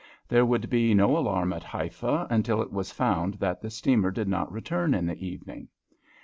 There would be no alarm at Haifa until it was found that the steamer did not return in the evening.